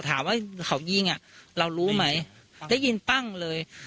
ถามว่าเขายิงอ่ะเรารู้ไหมได้ยินปั้งเลย